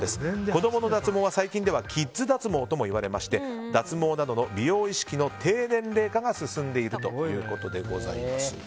子供の脱毛は最近ではキッズ脱毛とも言われて脱毛などの美容意識の低年齢化が進んでいるということでございます。